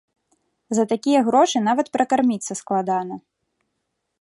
За такія грошы нават пракарміцца складана.